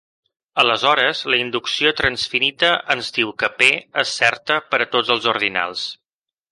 Aleshores la inducció transfinita ens diu que P és certa per a tots els ordinals.